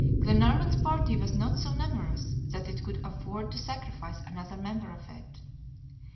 Glenarvan's party was not so numerous that it could afford to sacrifice another member of it.